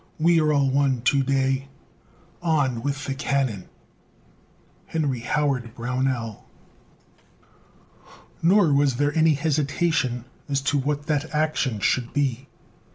We are all one to day On with the cannon! HENRY HOWARD BROWNELL. Nor was there any hesitation as to what that action should be.